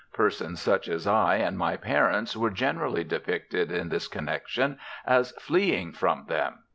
Persons such as I and my parents were generally depicted in this connection as fleeing from them.